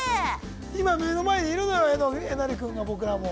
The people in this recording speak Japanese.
今目の前にいるのよえなり君が僕らも。